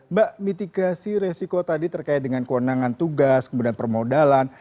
mbak mitigasi resiko tadi terkait dengan kewenangan tugas kemudian permodalan